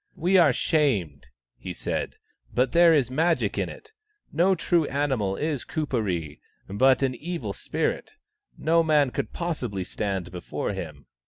" We are shamed," he said, " but there is Magic in it. No true animal is Kuperee, but an evil spirit. No man could possibly stand before him."